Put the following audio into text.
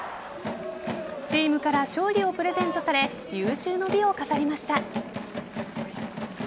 チームから勝利をプレゼントされ有終の美を飾りました。